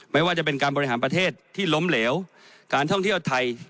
ไม่ว่าจะเป็นการบริหารประเทศที่ล้มเหลวการท่องเที่ยวไทย